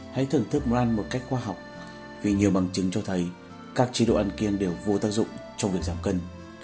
hãy thưởng thức món ăn một cách khoa học vì nhiều bằng chứng cho thấy các chế độ ăn kiên đều vô tác dụng trong việc giảm cân